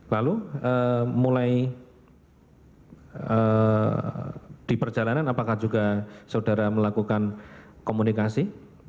lalu mulai di perjalanan apakah juga saudara melakukan komunikasi